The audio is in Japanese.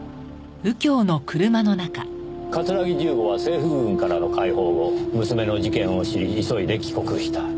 桂木重吾は政府軍からの解放後娘の事件を知り急いで帰国した。